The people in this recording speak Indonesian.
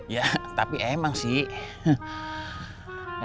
ya tapi emang sih